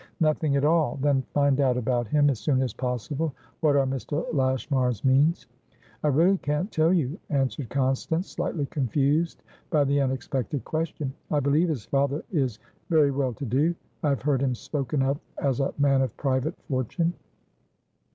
"Nothing at all." "Then find out about him as soon as possible. What are Mr. Lashmar's means?" "I really can't tell you," answered Constance, slightly confused by the unexpected question. "I believe his father is very well to do; I have heard him spoken of as a man of private fortune."